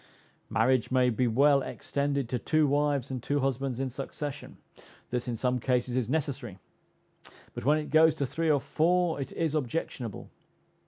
Marriage may be well extended to two wives and two husbands in succession; this, in some cases, is necessary; but when it goes to three or four it is objectionable.